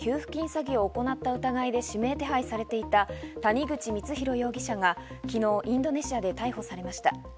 詐欺を行った疑いで指名手配されていた谷口光弘容疑者が、昨日、インドネシアで逮捕されました。